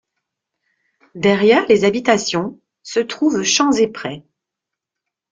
Derrière les habitations se trouvent champs et prés.